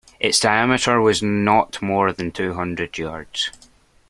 Its diameter was not more than two hundred yards.